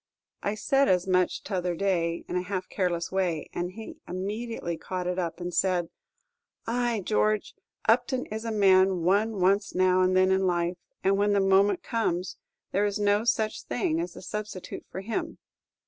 I said as much t' other day, in a half careless way, and he immediately caught it up, and said, "Ay, George, Upton is a man one wants now and then in life, and when the moment comes, there is no such thing as a substitute for him."